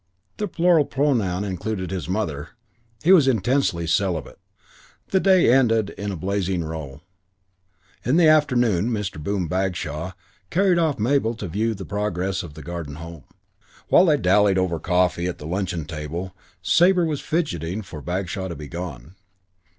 The plural pronoun included his mother. He was intensely celibate. IX The day ended in a blazing row. In the afternoon Mr. Boom Bagshaw carried off Mabel to view the progress of the Garden Home. While they dallied over coffee at the luncheon table, Sabre was fidgeting for Bagshaw to be gone.